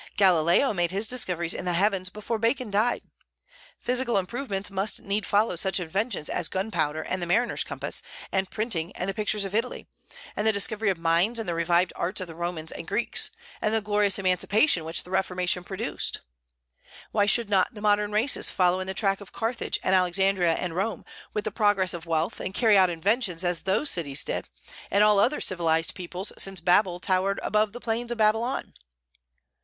Galileo made his discoveries in the heavens before Bacon died. Physical improvements must need follow such inventions as gunpowder and the mariners' compass, and printing and the pictures of Italy, and the discovery of mines and the revived arts of the Romans and Greeks, and the glorious emancipation which the Reformation produced. Why should not the modern races follow in the track of Carthage and Alexandria and Rome, with the progress of wealth, and carry out inventions as those cities did, and all other civilized peoples since Babal towered above the plains of Babylon?